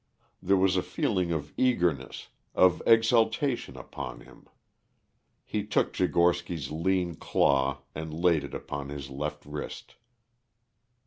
There was a feeling of eagerness, of exultation upon him. He took Tchigorsky's lean claw and laid it upon his left wrist.